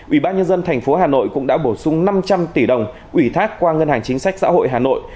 ủy ban nhân dân thành phố hà nội cũng đã bổ sung năm trăm linh tỷ đồng ủy thác qua ngân hàng chính sách xã hội hà nội